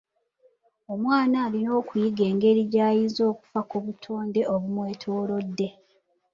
Omwana alina okuyiga engeri gy’ayinza okufa ku butonde obumwetoolodde.